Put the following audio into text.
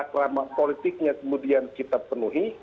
rim cry iixeennesaldro wah sékit jauh yaing satu soal kibat k username namaku